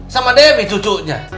sama demi cucunya